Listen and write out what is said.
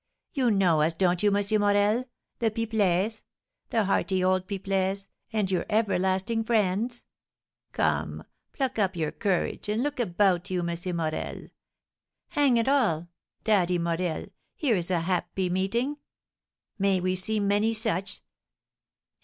"You know us, don't you, M. Morel, the Pipelets the hearty old Pipelets, and your everlasting friends? Come, pluck up courage, and look about you, M. Morel! Hang it all, Daddy Morel, here's a happy meeting! May we see many such!